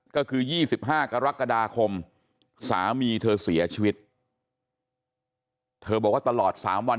ก็คือ๒๕กรกฎาคมสามีเธอเสียชีวิตเธอบอกว่าตลอด๓วัน